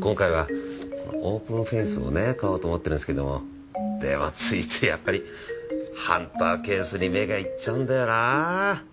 今回はオープンフェイスをね買おうと思ってるんですけどもでもついついやっぱりハンターケースに目がいっちゃうんだよな。